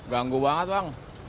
ganggu banget bang